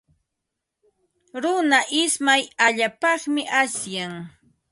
Runa ismay allaapaqmi asyan.